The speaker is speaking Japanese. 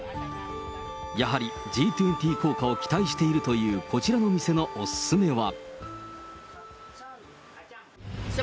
やはりＧ２０効果を期待しているというこちらの店のお勧めは。